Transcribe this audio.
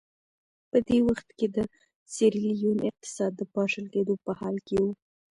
په دې وخت کې د سیریلیون اقتصاد د پاشل کېدو په حال کې و.